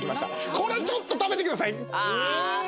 これちょっと食べてください。